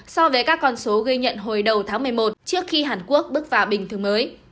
so với các con số gây nhận hồi đầu tháng một mươi một trước khi hàn quốc bước vào bình thường mới